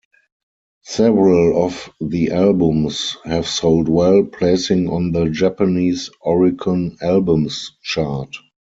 Several of the albums have sold well, placing on the Japanese Oricon Albums Chart.